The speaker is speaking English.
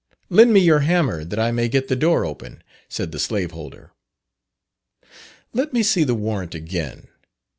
"Lend me your hammer that I may get the door open," said the slaveholder. "Let me see the warrant again."